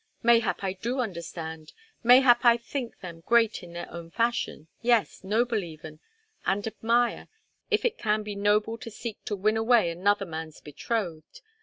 "Mayhap I do understand, mayhap I think them great in their own fashion, yes, noble even, and admire, if it can be noble to seek to win away another man's betrothed.